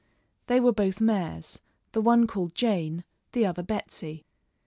They were both mares, the one called Jane, the other Betsy.